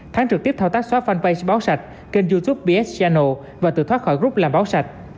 thắng trực tiếp thao tác xóa fanpage báo sạch kênh youtube bs channel và tự thoát khỏi group làm báo sạch